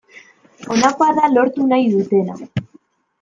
Honakoa da lortu nahi dutena.